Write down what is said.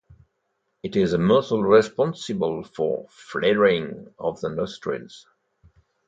It is the muscle responsible for "flaring" of the nostrils.